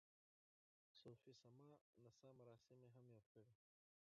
صوفي سما نڅا مراسم یې هم یاد کړي.